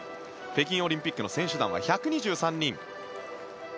北京オリンピックの選手団は１２３人。